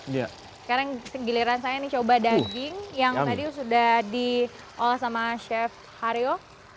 sekarang giliran saya nih coba daging yang tadi sudah diolah sama chef haryo